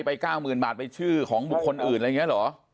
๙๐๐๐บาทไปชื่อของบุคคลอื่นอะไรอย่างนี้เหรอ